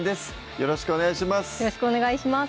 よろしくお願いします